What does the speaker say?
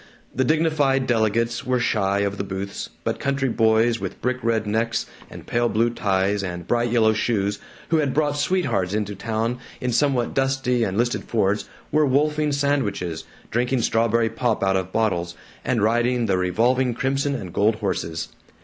The dignified delegates were shy of the booths, but country boys with brickred necks and pale blue ties and bright yellow shoes, who had brought sweethearts into town in somewhat dusty and listed Fords, were wolfing sandwiches, drinking strawberry pop out of bottles, and riding the revolving crimson and gold horses.